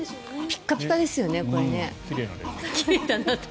ピカピカですよね。